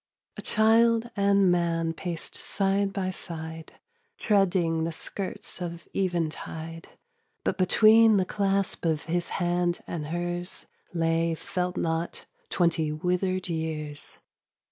A child and man paced side by side, Treading the skirts of eventide; But between the clasp of his hand and hers Lay, felt not, twenty withered years.